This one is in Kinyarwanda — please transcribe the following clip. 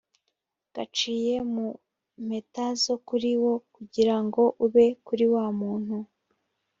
gaciye mu mpeta zo kuri wo kugira ngo ube kuri wa muntu